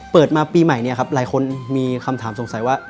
เปิดมาปีใหม่เนี่ยครับหลายคนมีคำถามสงสัยว่า